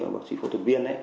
bác sĩ phẫu thuật viên